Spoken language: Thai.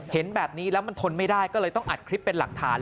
เห็นแบบนี้แล้วมันทนไม่ได้ก็เลยต้องอัดคลิปเป็นหลักฐาน